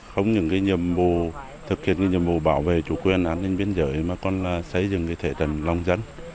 không những cái nhiệm vụ thực hiện cái nhiệm vụ bảo vệ chủ quyền an ninh biên giới mà còn là xây dựng cái thể tầng lòng dân